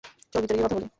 চল ভিতরে গিয়ে কথা বলি।